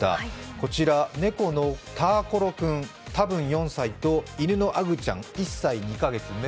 こちら猫のターコロ君、多分４歳と犬のアグちゃん、１歳２か月、雌。